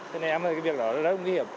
thế nên cái việc đó rất là nguy hiểm